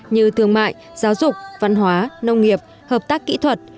như thương mại giáo dục văn hóa nông nghiệp hợp tác kỹ thuật